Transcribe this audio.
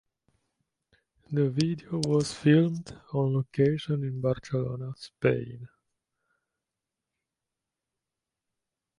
The video was filmed on location in Barcelona, Spain.